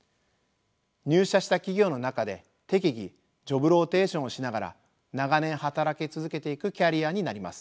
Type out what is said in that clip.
入社した企業の中で適宜ジョブローテーションをしながら長年働き続けていくキャリアになります。